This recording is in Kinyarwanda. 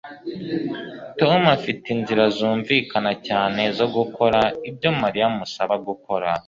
Tom afite inzira zumvikana cyane zo gukora ibyo Mariya amusaba gukora